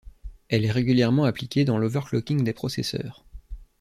Elle est régulièrement appliquée dans l'overclocking des processeurs.